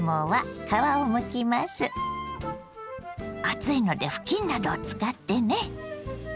熱いので布巾などを使ってね。